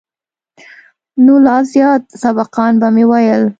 نو لا زيات سبقان به مې ويل.